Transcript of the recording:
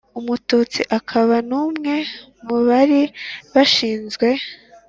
umututsi akaba n'umwe mu bari bashinzwe